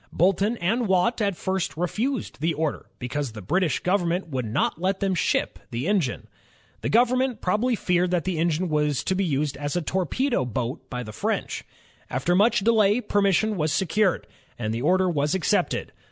Boulton and Watt at first refused the order, because the British government would not let them ship the engine. The government probably feared that the engine was to be used in a torpedo boat by the French. After much delay, permission was secured, and the order was accepted.